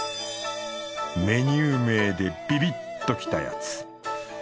メニュー名でビビっときたやつ。